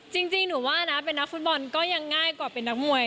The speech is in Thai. จริงหนูว่านะเป็นนักฟุตบอลก็ยังง่ายกว่าเป็นนักมวย